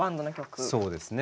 そうですね。